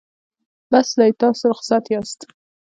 بس دی تاسو رخصت یاست.